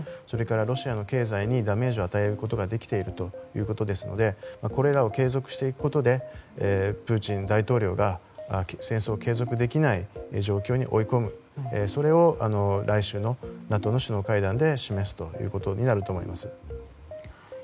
それからロシアの経済にダメージを与えることができているということですのでこれらを継続していくことでプーチン大統領が戦争を継続できない状況に追い込む、それを来週のＮＡＴＯの首脳会談で示すということになると思います。